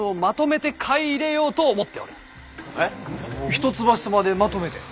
一橋様でまとめて？